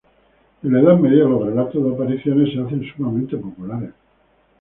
En la edad media los relatos de apariciones se hacen sumamente populares.